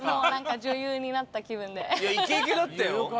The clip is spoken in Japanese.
イケイケだったよ。